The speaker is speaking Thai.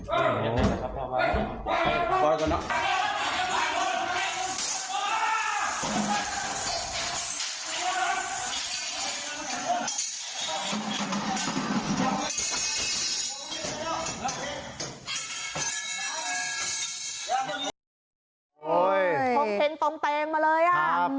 โอ้ยโอ้ยต้องเต็มต้องเต็มมาเลยอ่ะครับ